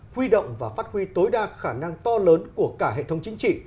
huy động và phát huy tối đa khả năng to lớn của cả hệ thống chính trị